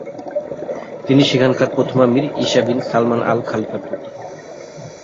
তিনি সেখানকার প্রথম আমির ঈসা বিন সালমান আল খলিফার পুত্র।